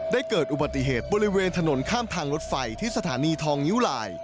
เกิดอุบัติเหตุบริเวณถนนข้ามทางรถไฟที่สถานีทองนิ้วลาย